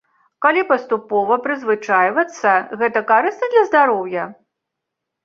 Калі паступова прызвычайвацца, гэта карысна для здароўя?